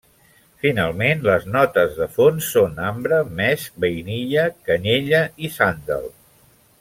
Finalment les notes de fons són ambre, mesc, vainilla, canyella i sàndal.